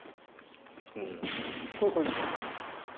小泉さんはいかがですか。